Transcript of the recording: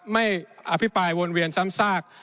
ไม่อภิปรายวนเวียนซ้ำซาก